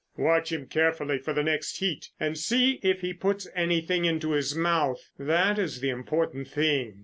"Watch him carefully for the next heat and see if he puts anything into his mouth. That is the important thing."